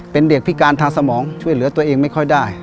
เป็นเด็กพิการทางสมองช่วยเหลือตัวเองไม่ค่อยได้